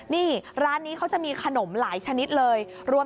นี่ร้านนี้เขาจะมีขนมหลายชนิดเลย